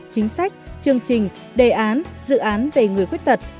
chính sách chương trình đề án dự án về người khuyết tật